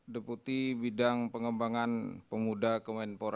deputi bidang pengembangan pemuda kementpura ri